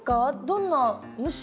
どんな虫？